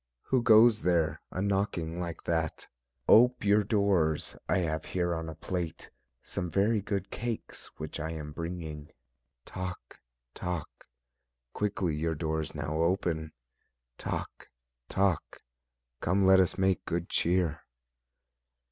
Who goes there a knocking like that? Ope your doors, I have here on a plate Some very good cakes which I am bringing: Toc! Toc! quickly your doors now open; Toc! Toc! come let us make good cheer.